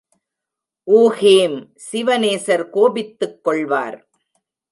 ஊஹீம், சிவநேசர் கோபித்துக் கொள்வார்!